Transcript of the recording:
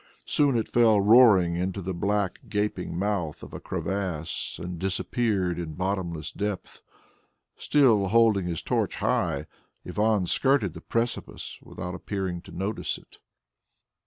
Soon it fell roaring into the black gaping mouth of a crevasse and disappeared in the bottomless depth. Still holding his torch high, Ivan skirted the precipice without appearing to notice it.